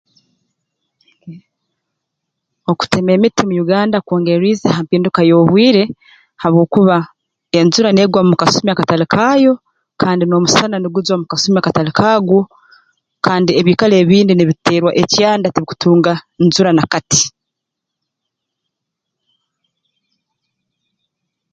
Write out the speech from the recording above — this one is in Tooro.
Okutema emiti mu Uganda kwongereriize ha mpinduka y'obwire habwokuba enjura neegwa mu kasumi akatali kaayo kandi n'omusana nugujwa omu kasumi akatali k'agwo kandi ebiikaro ebindi nibiterwa ekyanda tibikutunga njura na kati